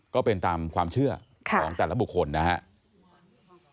ก็เป็นตามความเชื่อของแต่ละบุคคลนะครับ